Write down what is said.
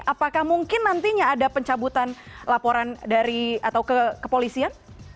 apakah mungkin nantinya ada pencabutan laporan dari atau ke kepolisian